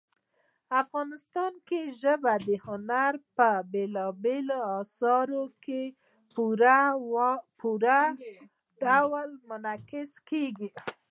افغانستان کې ژبې د هنر په بېلابېلو اثارو کې په پوره ډول منعکس کېږي.